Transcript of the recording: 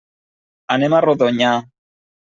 Anem a Rodonyà.